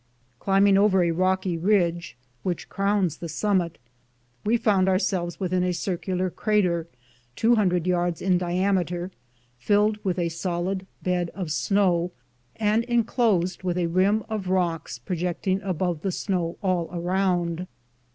Climbing over a rocky ridge which crowns the summit, we found ourselves within a circular crater two hundred yards in diameter, filled with a solid bed of snow, and inclosed with a rim of rocks projecting above the snow all around.